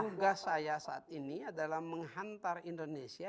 tugas saya saat ini adalah menghantar indonesia